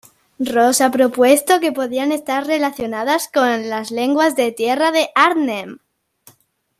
Ross ha propuesto que podrían estar relacionadas con las lenguas de Tierra de Arnhem.